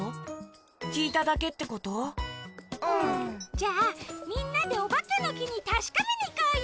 じゃあみんなでおばけのきにたしかめにいこうよ！